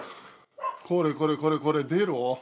これこれこれこれ、出ろ。